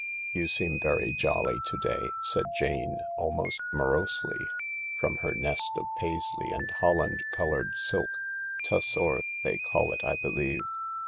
" You seem very jolly to day," said Jane, almost morosely, from her nest of Paisley and holland coloured silk— tussore they call it, I believe.